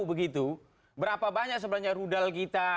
begitu berapa banyak sebenarnya rudal kita